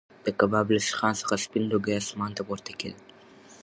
د کباب له سیخانو څخه سپین لوګی اسمان ته پورته کېده.